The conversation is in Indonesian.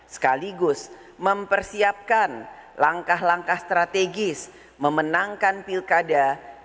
sekaligus mempersiapkan langkah langkah strategis memenangkan pilkada dua ribu dua puluh